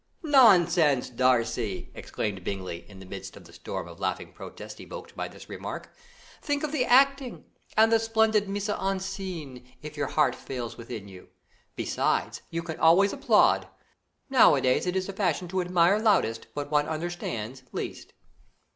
"Nonsense, Darcy," exclaimed Bingley, in the midst of the storm of laughing protests evoked by this remark, "think of the acting, and the splendid mise en scène, if your heart fails within you. Besides, you can always applaud. Nowadays it is the fashion to admire loudest what one understands least."